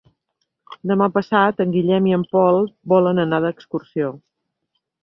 Demà passat en Guillem i en Pol volen anar d'excursió.